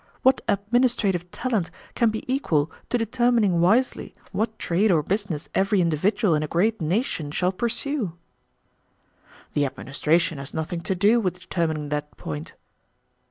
What administrative talent can be equal to determining wisely what trade or business every individual in a great nation shall pursue?" "The administration has nothing to do with determining that point."